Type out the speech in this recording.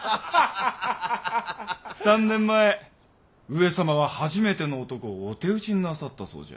３年前上様は初めての男をお手討ちになさったそうじゃ。